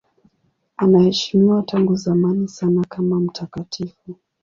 Anaheshimiwa tangu zamani sana kama mtakatifu.